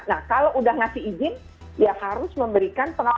nah kalau udah ngasih izin ya harus memberikan pengawasan